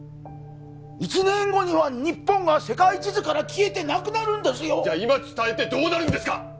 １年後には日本が世界地図から消えてなくなるんですよじゃあ今伝えてどうなるんですか？